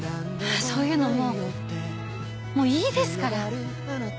そういうのもうもういいですから。